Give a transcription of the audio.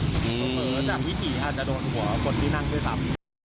เผลอจากพี่ศรีอาจจะโดนหัวคนที่นั่งด้วยซ้ำ